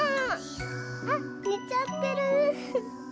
あっねちゃってる。